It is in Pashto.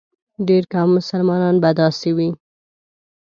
ډېر کم مسلمانان به داسې وي.